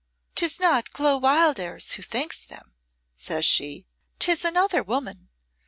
"'Tis not Clo Wildairs who thinks them," says she; "'tis another woman.